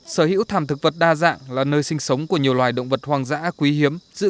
sở hữu thảm thực vật đa dạng là nơi sinh sống của nhiều loài động vật hoang dã quý hiếm